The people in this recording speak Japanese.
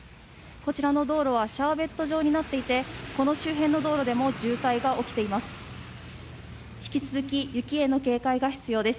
こちらの道路はシャーベット状になっていてこの周辺の道路でも渋滞が起きています。